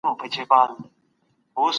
خپل ورېښتان په ښه ډول سره مدام ږمنځ کړئ.